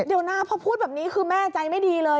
เดี๋ยวนะพอพูดแบบนี้คือแม่ใจไม่ดีเลย